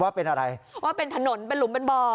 เป็นอะไรว่าเป็นถนนเป็นหลุมเป็นบ่อ